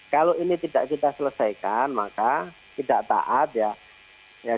kalau ini tidak kita selesaikan maka tidak taat ya